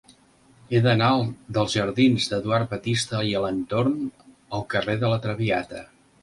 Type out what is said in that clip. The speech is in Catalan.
He d'anar dels jardins d'Eduard Batiste i Alentorn al carrer de La Traviata.